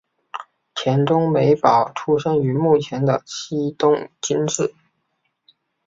田中美保出生于目前的西东京市。